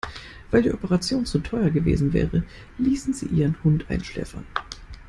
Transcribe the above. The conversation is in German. Weil die Operation zu teuer gewesen wäre, ließen sie ihren Hund einschläfern.